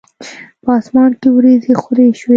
په اسمان کې وریځي خوری شوی